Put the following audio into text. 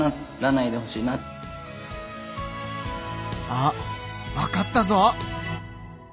あっわかったぞ！